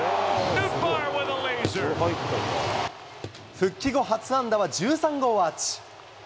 復帰後初安打は１３号アーチ。